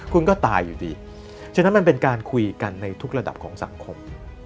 คุณก็ตายอยู่ดีฉะนั้นมันเป็นการคุยกันในทุกระดับของสังคม